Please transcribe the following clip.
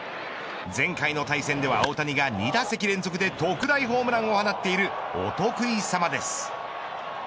前回の対戦では大谷が２打席連続で特大ホームランを放っているお得意さまです。